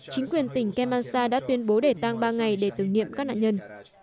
chính quyền tỉnh kermanshah đã tuyên bố để tăng ba ngày để tử nghiệm các nạn nhân